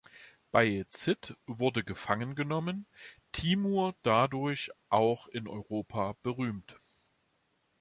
Bayezid wurde gefangen genommen; Timur dadurch auch in Europa „berühmt“.